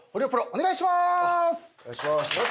お願いします。